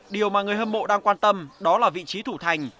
điều mà người hâm mộ đang quan tâm đó là vị trí thủ thành